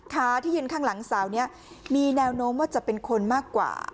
ขาที่ยืนข้างหลังสาวนี้มีแนวโน้มว่าจะเป็นคนมากกว่า